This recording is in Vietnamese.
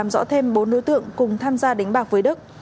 giọt thêm bốn đối tượng cùng tham gia đánh bạc với đức